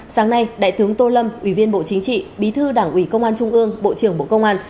sáng nay đại tướng tô lâm ủy viên bộ chính trị bí thư đảng ủy công an trung ương bộ trưởng bộ công an